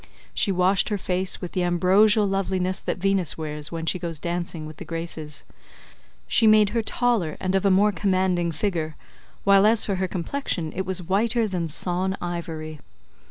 She washed her face with the ambrosial loveliness that Venus wears when she goes dancing with the Graces; she made her taller and of a more commanding figure, while as for her complexion it was whiter than sawn ivory.